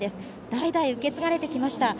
代々受け継がれてきました。